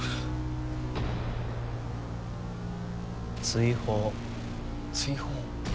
追放追放？